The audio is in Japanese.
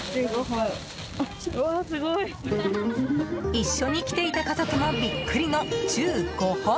一緒に来ていた家族もビックリの１５本！